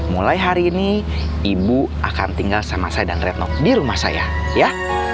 mulai hari ini ibu akan tinggal sama saya dan retno di rumah saya ya